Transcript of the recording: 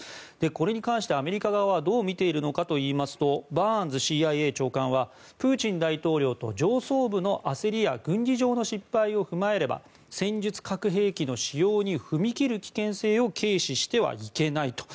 これに関して、アメリカ側はどう見ているのかといいますとバーンズＣＩＡ長官はプーチン大統領と上層部の焦りや軍事上の失敗を踏まえれば戦術核兵器の使用に踏み切る危険性を軽視してはいけないと。